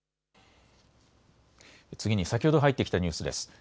次に先ほど入ってきたニュースです。